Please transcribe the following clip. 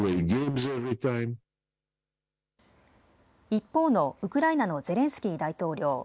一方のウクライナのゼレンスキー大統領。